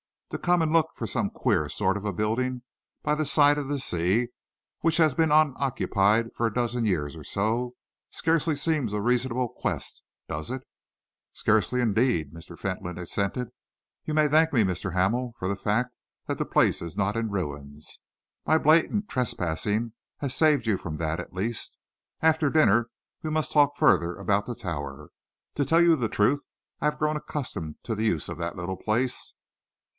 To come and look for some queer sort of building by the side of the sea, which has been unoccupied for a dozen years or so, scarcely seems a reasonable quest, does it?" "Scarcely, indeed," Mr. Fentolin assented. "You may thank me, Mr. Hamel, for the fact that the place is not in ruins. My blatant trespassing has saved you from that, at least. After dinner we must talk further about the Tower. To tell you the truth, I have grown accustomed to the use of the little place."